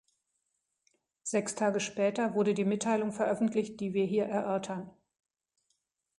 Sechs Tage später wurde die Mitteilung veröffentlicht, die wir hier erörtern.